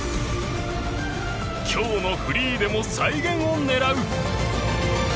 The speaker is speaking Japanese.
今日のフリーでも再現を狙う。